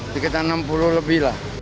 sekitar enam puluh lebih lah